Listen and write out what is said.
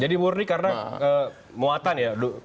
jadi murni karena muatan ya